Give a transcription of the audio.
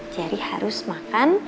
ceri harus makan